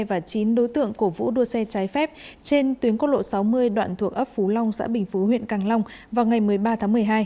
và chín đối tượng cổ vũ đua xe trái phép trên tuyến quốc lộ sáu mươi đoạn thuộc ấp phú long xã bình phú huyện càng long vào ngày một mươi ba tháng một mươi hai